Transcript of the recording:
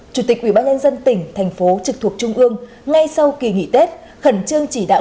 chủ tịch ubnd tỉnh thành phố trực thuộc trung ương ngay sau kỳ nghỉ tết khẩn trương chỉ đạo